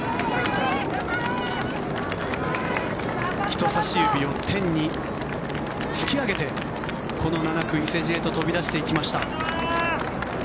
人さし指を天に突き上げてこの７区、伊勢路へと飛び出していきました。